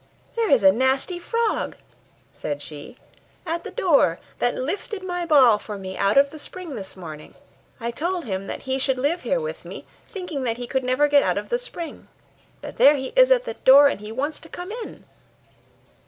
'There is a nasty frog,' said she, 'at the door, that lifted my ball for me out of the spring this morning: I told him that he should live with me here, thinking that he could never get out of the spring; but there he is at the door, and he wants to come in.